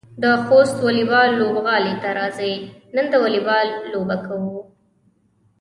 د خوست واليبال لوبغالي ته راځئ، نن د واليبال لوبه کوو.